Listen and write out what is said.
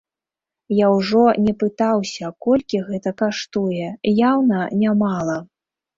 Я ўжо не пытаўся, колькі гэта каштуе, яўна не мала.